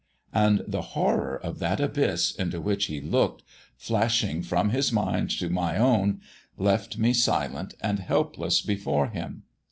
And the horror of that abyss into which he looked, flashing from his mind to my own, left me silent and helpless before him.